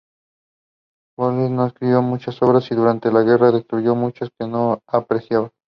Butterworth no escribió muchas obras, y durante la guerra destruyó muchas que no apreciaba.